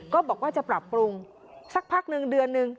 ก็บอกว่าจะปรับปรุงสักพักหนึ่งเดือนนึง